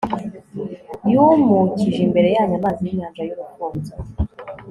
yumukije imbere yanyu amazi y'inyanja y'urufunzo